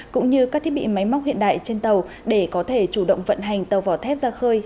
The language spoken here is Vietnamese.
cũng như các thiết bị máy móc hiện đại trên tàu để có thể chủ động vận hành tàu vỏ thép ra khơi